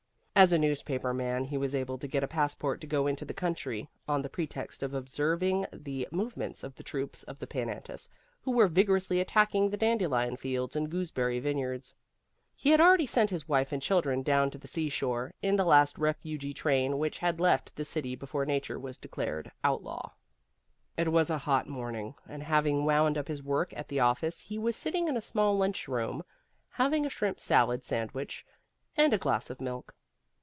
As a newspaper man he was able to get a passport to go into the country, on the pretext of observing the movements of the troops of the Pan Antis, who were vigorously attacking the dandelion fields and gooseberry vineyards. He had already sent his wife and children down to the seashore, in the last refugee train which had left the city before Nature was declared outlaw. It was a hot morning, and having wound up his work at the office he was sitting in a small lunchroom having a shrimp salad sandwich and a glass of milk.